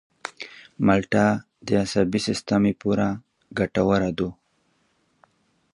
مالټه د عصبي سیستم لپاره ګټوره ده.